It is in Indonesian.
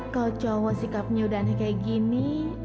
kalau cowok sikapnya udah aneh kayak gini